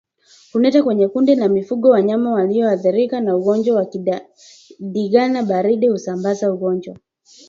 Kuleta kwenye kundi la mifugo wanyama waliothirika na ugonjwa wa ndigana baridi husamabaza ugonjwa